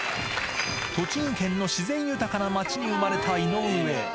栃木県の自然豊かな町に生まれた井上。